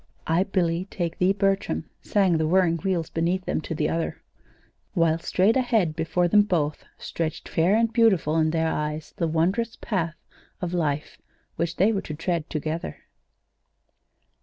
"'I, Billy, take thee, Bertram,'" sang the whirring wheels beneath them, to the other. While straight ahead before them both, stretched fair and beautiful in their eyes, the wondrous path of life which they were to tread together.